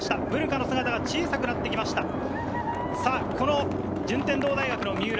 ブヌカの姿が小さくなってきました。